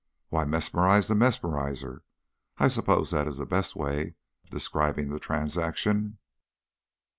"Why, mesmerised the mesmeriser I suppose that is the best way of describing the transaction."